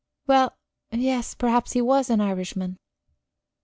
"Well, yes, perhaps he was an Irishman."